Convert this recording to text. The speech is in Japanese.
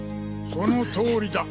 そのとおりだ。